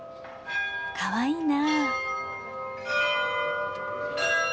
かわいいな。